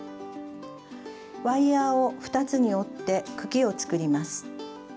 ワイヤーを２つに折って茎を作ります。